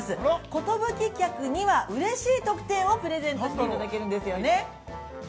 寿客には、うれしい特典をプレゼントしていただけるんですよね。